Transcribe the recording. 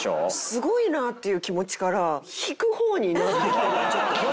すごいなっていう気持ちから引く方になってきてるよ。